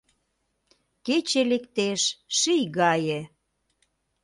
Кече лектеш ший гае